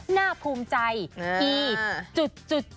หน้าภูมิใจพีดจุด